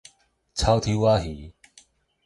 草丑仔魚